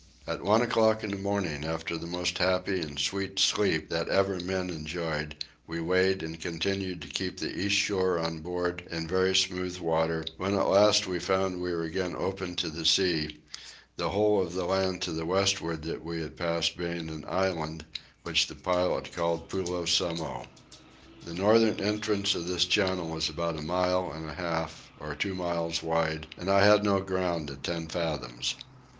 At one o'clock in the morning, after the most happy and sweet sleep that ever men enjoyed, we weighed and continued to keep the east shore on board in very smooth water; when at last I found we were again open to the sea, the whole of the land to the westward that we had passed being an island which the pilot called Pulo Samow. The northern entrance of this channel is about a mile and a half or two miles wide and I had no ground at ten fathoms.